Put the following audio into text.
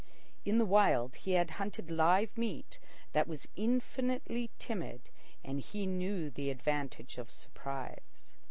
In the Wild he had hunted live meat that was infinitely timid, and he knew the advantage of surprise.